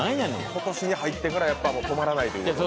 今年に入ってから止まらないということで。